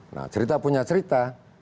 nah cerita punya cerita